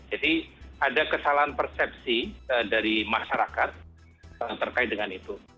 jadi ada kesalahan persepsi dari masyarakat terkait dengan itu